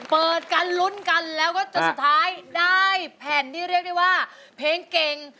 เปิดกันลุ้นกันแล้วก็จนสุดท้ายได้แผ่นที่เรียกได้ว่าเพลงเก่ง